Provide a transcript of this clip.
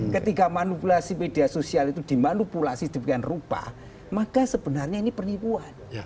ketika manipulasi media sosial itu dimanipulasi demikian rupa maka sebenarnya ini penipuan